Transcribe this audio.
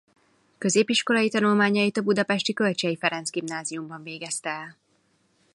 Középiskolai tanulmányait a budapesti Kölcsey Ferenc Gimnáziumban végezte el.